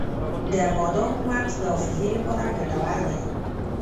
د بادامو مغز د حافظې لپاره ګټور دی.